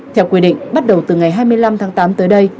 theo quy định bắt đầu từ ngày hai mươi năm tháng tám tới đây